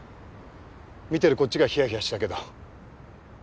見てるこっちがひやひやしたけど。